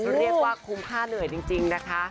เรียกว่าคุ้มค่าเหนื่อยจริงนะคะ